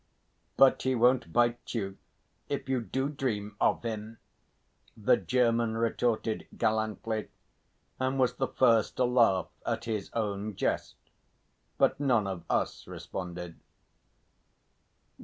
"But he won't bite you if you do dream of him," the German retorted gallantly, and was the first to laugh at his own jest, but none of us responded.